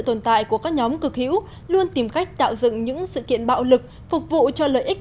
tồn tại của các nhóm cực hữu luôn tìm cách tạo dựng những sự kiện bạo lực phục vụ cho lợi ích